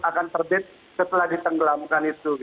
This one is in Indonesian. akan terbit setelah ditenggelamkan itu